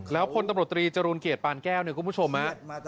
แล้วคนตบรตรีจรูนเกียรติปานแก้วคุณผู้ชม